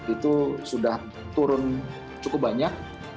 itu sudah turun cukup banyak